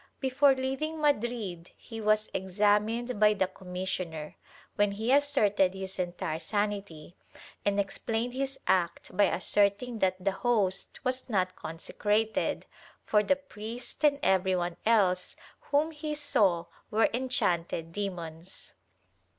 Before leaving Madrid he was examined by the com missioner, when he asserted his entire sanity and explained his act by asserting that the Host was not consecrated, for the priest and everyone else whom he saw were enchanted demons.